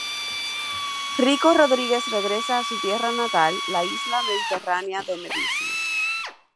Rico Rodríguez regresa a su tierra natal, la isla mediterránea de Medici.